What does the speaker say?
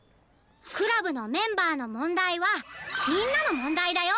クラブのメンバーのもんだいはみんなのもんだいだよ！